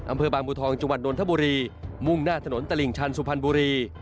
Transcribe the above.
อำเภอบางบัวทองจังหวัดนทบุรีมุ่งหน้าถนนตลิ่งชันสุพรรณบุรี